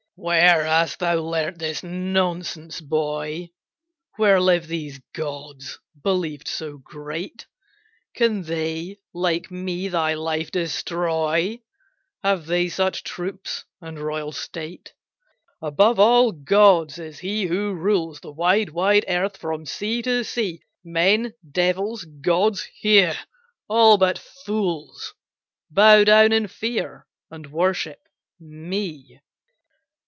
"Where hast thou learnt this nonsense, boy? Where live these gods believed so great? Can they like me thy life destroy? Have they such troops and royal state? Above all gods is he who rules The wide, wide earth, from sea to sea, Men, devils, gods, yea, all but fools Bow down in fear and worship me!